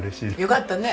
よかったね。